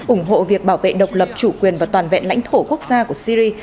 ủng hộ việc bảo vệ độc lập chủ quyền và toàn vẹn lãnh thổ quốc gia của syri